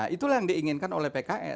itulah yang diinginkan oleh pks